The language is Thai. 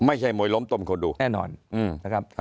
ไม่ใช่มวยล้มต้มคนดูแน่นอนนะครับ